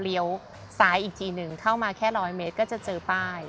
เลี้ยวซ้ายอีกทีหนึ่งเข้ามาแค่ร้อยเมตรก็จะเจอป้าย